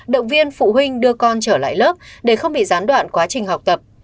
động viên phụ huynh đưa con trở lại lớp để không bị gián đoạn quá trình học tập